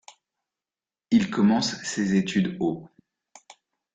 Il commence ses études au '.